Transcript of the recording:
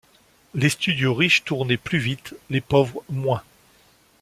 Les studios riches tournaient plus vite, les pauvres moins.